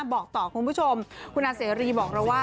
บอกต่อคุณผู้ชมคุณอาเสรีบอกเราว่า